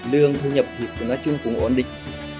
lương thu nhập thì nói chung cũng ổn định